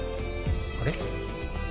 あれ？